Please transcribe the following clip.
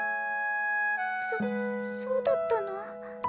そそうだったの。